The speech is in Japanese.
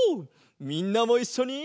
みんなもいっしょに！